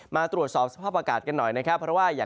มาตรวจสอบสภาพประกาศกันหน่อยนะครับ